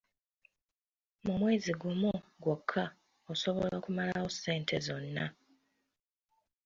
Mu mwezi gumu gwokka osobola okumalawo ssente zonna.